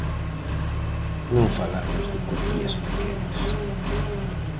Non falamos de contías pequenas.